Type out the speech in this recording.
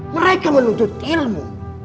mereka menuntut ilmu